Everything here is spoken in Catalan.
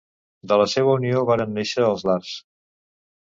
De la seua unió varen néixer els lars.